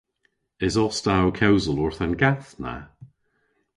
Esos ta ow kewsel orth an gath na?